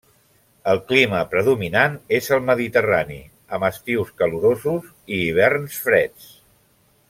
El clima predominant és el mediterrani, amb estius calorosos i hiverns freds.